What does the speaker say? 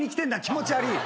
気持ち悪い！